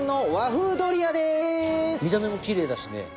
見た目もきれいだしね。